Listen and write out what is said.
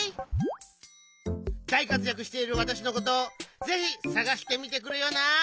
だいかつやくしているわたしのことをぜひさがしてみてくれよな。